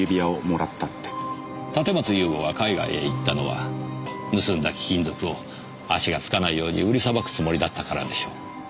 立松雄吾が海外へ行ったのは盗んだ貴金属を足がつかないように売りさばくつもりだったからでしょう。